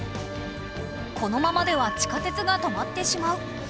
このままでは地下鉄が止まってしまう